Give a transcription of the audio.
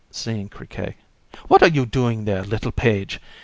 (Seeing CRIQUET.) What are you doing there, little page?